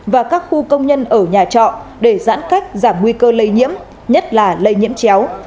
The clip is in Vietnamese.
và các khu công nhân ở nhà trọ để giãn cách giảm nguy cơ lây nhiễm nhất là lây nhiễm chéo